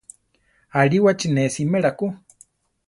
Aríwachi ne simera ku.